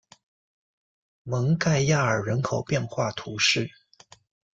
蒙盖亚尔人口变化图示